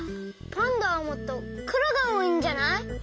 パンダはもっとくろがおおいんじゃない？